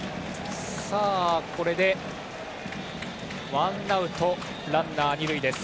ワンアウトランナー、二塁です。